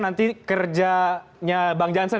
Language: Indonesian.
nanti kerjanya bang jansen